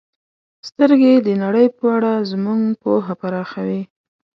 • سترګې د نړۍ په اړه زموږ پوهه پراخوي.